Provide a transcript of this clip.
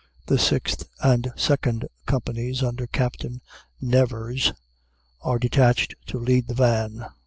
The Sixth and Second Companies, under Captain Nevers, are detached to lead the van.